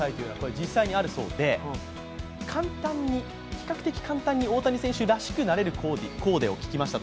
比較的簡単に大谷選手らしくなれるコーデを聞きました